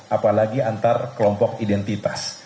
apalagi antar kelompok identitas